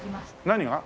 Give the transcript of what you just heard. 何が？